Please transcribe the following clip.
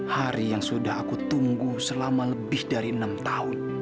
hari yang sudah aku tunggu selama lebih dari enam tahun